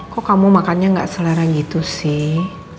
kok kamu makannya nggak selera gitu sih